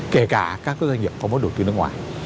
kể cả các cái doanh nghiệp có mối đầu tư nước ngoài